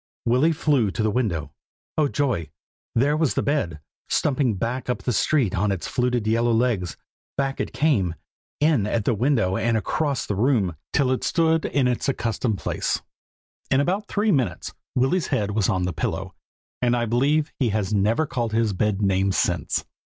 Willy flew to the window. Oh joy! there was the bed, stumping back up the street on its fluted yellow legs. Back it came, in at the window and across the room, till it stood in its accustomed place. In about three minutes Willy's head was on the pillow, and I believe he has never called his bed names since."